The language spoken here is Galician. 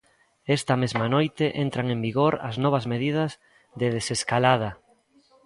Esta mesma noite entran en vigor as novas medidas de desescalada.